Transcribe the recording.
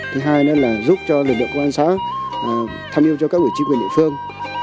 thứ hai là giúp cho lực lượng công an xã tham dự cho các quỷ chính quyền địa phương